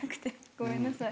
ごめんなさい。